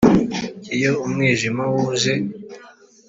iyo umwijima wuje